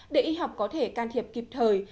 để y học có thể can thiệp kịp thời